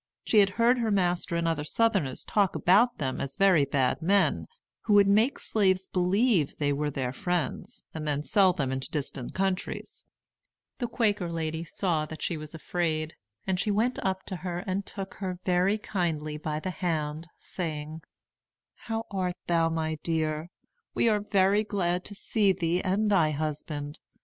She had heard her master and other Southerners talk about them as very bad men, who would make slaves believe they were their friends, and then sell them into distant countries. The Quaker lady saw that she was afraid, and she went up to her and took her very kindly by the hand, saying: "How art thou, my dear? We are very glad to see thee and thy husband.